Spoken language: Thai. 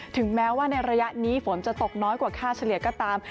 ถึงแม้ว่าในระยะนี้ฝนจะตกน้อยกว่าค่าเฉลี่ยก็ตาม